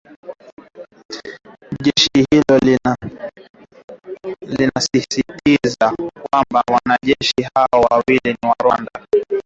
Jeshi hilo linasisitiza kwamba wanajeshi hao wawili ni wa Rwanda